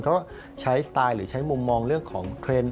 เขาก็ใช้สไตล์หรือใช้มุมมองเรื่องของเทรนด์